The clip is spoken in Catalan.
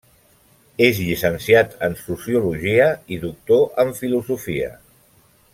És llicenciat en sociologia i doctor en filosofia.